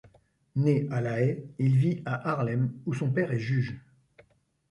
Né à La Haye, il vit à Haarlem, où son père est juge.